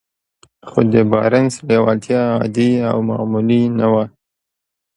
خو د بارنس لېوالتیا عادي او معمولي نه وه.